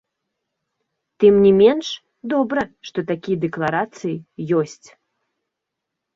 Тым не менш, добра, што такія дэкларацыі ёсць.